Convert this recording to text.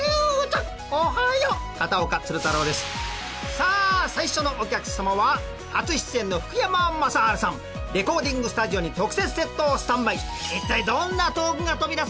さあ最初のお客様はレコーディングスタジオに特設セットをスタンバイ。